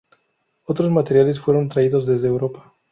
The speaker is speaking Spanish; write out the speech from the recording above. Otros materiales fueron traídos desde Europa.